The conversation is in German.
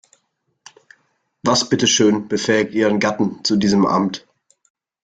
Was bitte schön befähigt ihren Gatten zu diesem Amt?